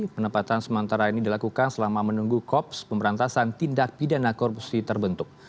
penempatan sementara ini dilakukan selama menunggu kops pemberantasan tindak pidana korupsi terbentuk